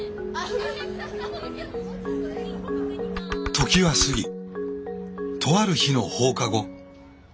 時は過ぎとある日の放課後。